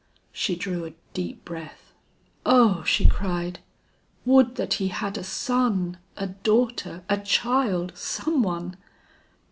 She drew a deep breath. "O!" she cried, "would that he had a son, a daughter, a child, some one!"